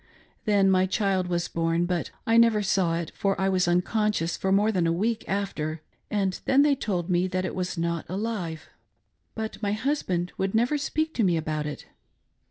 Then my child was born, but I never saw it, for I was unconscious for more than a week after, and then they told me that it was not alive, but my hus band would never speak to me' about it.